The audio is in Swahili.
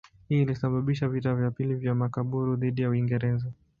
Hii ilisababisha vita vya pili vya Makaburu dhidi ya Uingereza.